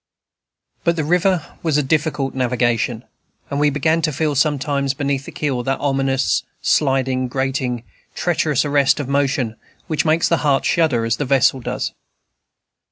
But the river was of difficult navigation; and we began to feel sometimes, beneath the keel, that ominous, sliding, grating, treacherous arrest of motion which makes the heart shudder, as the vessel does.